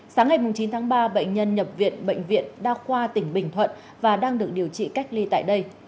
sáng ngày chín tháng ba bệnh nhân nhập viện bệnh viện đa khoa tỉnh bình thuận và đang được điều trị cách ly tại đây